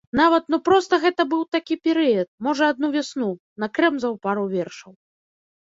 Нават, ну, проста гэта быў такі перыяд, можа, адну вясну, накрэмзаў пару вершаў.